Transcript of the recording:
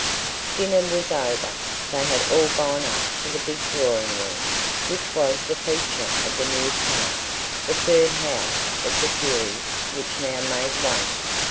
Dinner was over. They had all gone up to the big drawing room, which was the feature of the 'new part' the third house of the series which now made one.